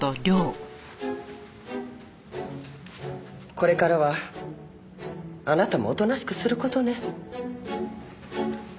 これからはあなたもおとなしくする事ね。